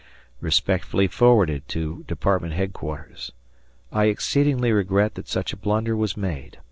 Respectfully forwarded to department headquarters. I exceedingly regret that such a blunder was made.